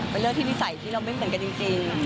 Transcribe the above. เป็นเรื่องที่นิสัยที่เราไม่เหมือนกันจริง